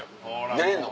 出れんの？